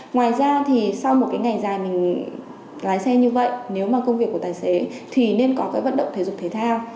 ngoài ra thì sau một cái ngày dài mình lái xe như vậy nếu mà công việc của tài xế thì nên có cái vận động thể dục thể thao